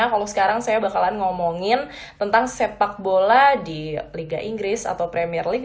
kalau sekarang saya bakalan ngomongin tentang sepak bola di liga inggris atau premier league